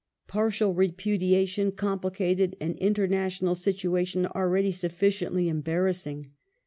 Pai tial repudiation complicated an international situation already sufficiently embarrassing.